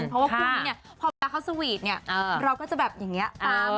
ตอนนี้เนี่ยพอรักเขาสมีทเนี่ยเราก็จะแบบอย่างเงี้ย